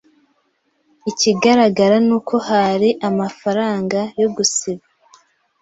Ikigaragara nuko hari amafaranga yo gusiba